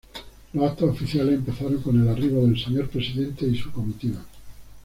Los actos oficiales empezaron con el arribo del señor Presidente y su comitiva.